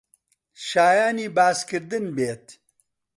شایانی باسکردن بێت